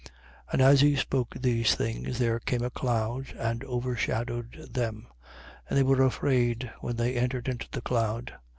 9:34. And as he spoke these things, there came a cloud and overshadowed them. And they were afraid when they entered into the cloud.